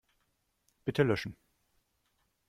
Bitte löschen.